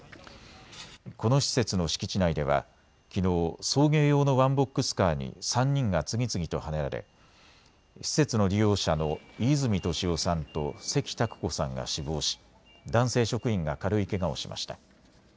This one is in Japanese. この施設の敷地内ではきのう送迎用のワンボックスカーに３人が次々とはねられ施設の利用者の飯泉利夫さんと関拓子さんが死亡し男性職員が軽いけがをしました。